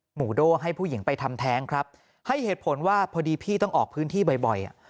โด่ให้ผู้หญิงไปทำแท้งครับให้เหตุผลว่าพอดีพี่ต้องออกพื้นที่บ่อยบ่อยอ่ะ